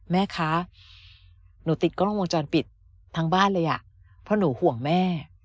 แม่คะหนูติดกล้องวงจรปิดทั้งบ้านเลยอ่ะเพราะหนูห่วงแม่